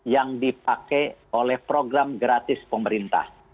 yang dipakai oleh program gratis pemerintah